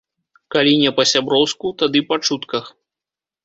Калі не па-сяброўску, тады па чутках.